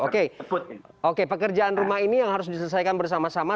oke oke pekerjaan rumah ini yang harus diselesaikan bersama sama